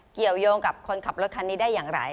เกี่ยวยงกับคนขับรถคันนี้ได้อย่างไร